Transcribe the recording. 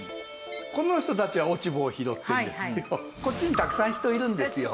この人たちは落ち穂を拾ってるんですけどこっちにたくさん人いるんですよ。